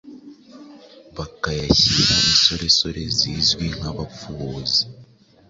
bakayashyira isoresore zizwi nk’abapfubuzi.